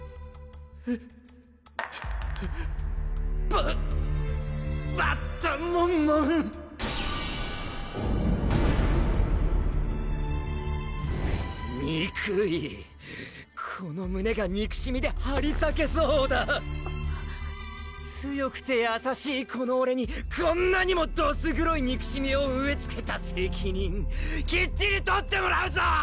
ババッタモンモンにくいこの胸がにくしみではりさけそうだ強くてやさしいこのオレにこんなにもどす黒いにくしみを植えつけた責任きっちり取ってもらうぞ！